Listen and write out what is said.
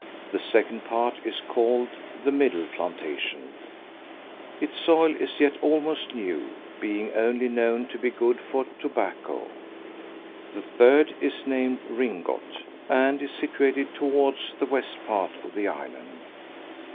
The second part is called the Middle Plantation: its soil is yet almost new, being only known to be good for tobacco. The third is named Ringot, and is situate towards the west part of the island.